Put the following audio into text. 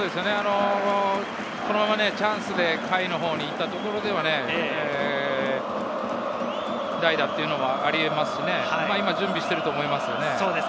このままチャンスで下位のほうに行ったところでは代打というのもありえますし、今、準備していると思います。